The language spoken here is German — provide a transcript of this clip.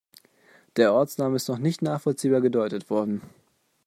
Der Ortsname ist noch nicht nachvollziehbar gedeutet worden.